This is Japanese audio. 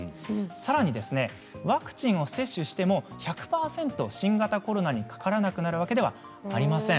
さらにワクチンを接種しても１００％新型コロナにかからなくなるわけではありません。